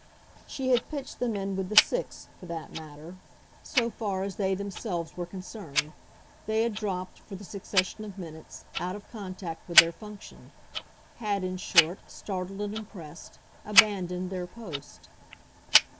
She had pitched them in with the six, for that matter, so far as they themselves were concerned; they had dropped, for the succession of minutes, out of contact with their function had, in short, startled and impressed, abandoned their post.